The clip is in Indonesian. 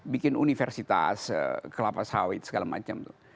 bikin universitas kelapa sawit segala macam